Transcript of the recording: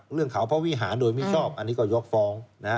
เรื่องเขาพระวิหารโดยมิชอบอันนี้ก็ยกฟ้อง